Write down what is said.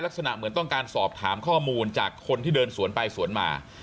ลักษณะเหมือนต้องการสอบถามข้อมูลจากคนที่เดินสวนไปสวนมา